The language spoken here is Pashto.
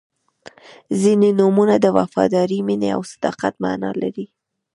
• ځینې نومونه د وفادارۍ، مینې او صداقت معنا لري.